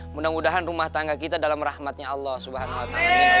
mudah mudahan rumah tangga kita dalam rahmatnya allah swt